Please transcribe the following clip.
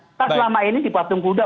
ustaz selama ini di patung buddha